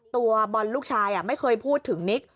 ตัวบอลลูกชายไม่เคยพูดถึงนิก